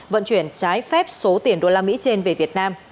vận chuyển trái phép số tiền usd trên về việt nam